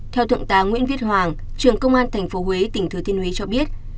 theo thượng tá nguyễn viết hoàng trường công an tp huế tỉnh thừa thiên huế cho biết